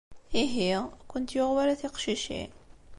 Ihi, ur kent-yuɣ wara a tiqcicin?